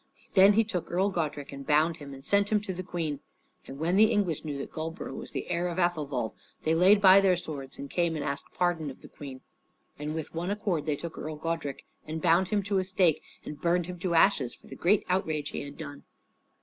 Then he took Earl Godrich and bound him and sent him to the Queen. And when the English knew that Goldborough was the heir of Athelwold, they laid by their swords and came and asked pardon of the Queen. And with one accord they took Earl Godrich and bound him to a stake and burned him to ashes, for the great outrage he had done.